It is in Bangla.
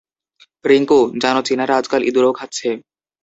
রিংকু, জানো চীনারা আজকাল ইঁদুরও খাচ্ছে।